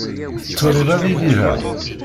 Tettwaliḍ ad idireɣ?